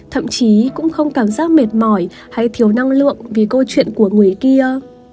thậm chí cũng không cảm giác mệt mỏi hay thiếu năng lượng vì câu chuyện của người kia